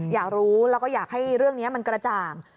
อยากรู้แล้วก็อยากให้เรื่องนี้มันกระจ่าง